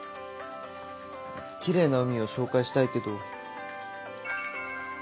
きれいな海を紹介したいけど。